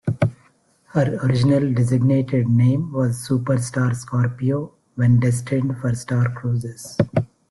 Her original designated name was Superstar Scorpio, when destined for Star Cruises.